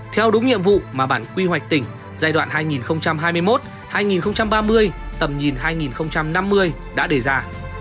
theo đúng nhiệm vụ mà bản quy hoạch tỉnh giai đoạn hai nghìn hai mươi một hai nghìn ba mươi tầm nhìn hai nghìn năm mươi đã đề ra